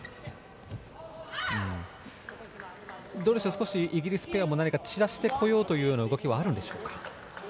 少しイギリスペアも散らしてこようという動きはあるんでしょうか。